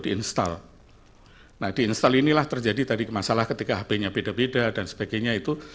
di install nah di install inilah terjadi tadi masalah ketika hb nya beda beda dan sebagainya itu